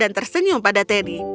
dia tersenyum pada teddy